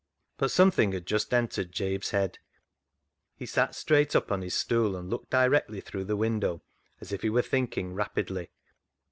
But something had just entered Jabe's head. He sat straight up on his stool and looked directly through the window as if he were thinking rapidly.